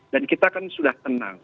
dan kita kan sudah tenang